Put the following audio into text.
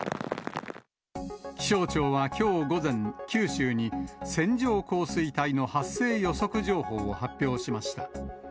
気象庁はきょう午前、九州に線状降水帯の発生予測情報を発表しました。